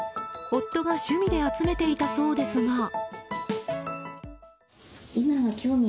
夫が趣味で集めていたそうですが。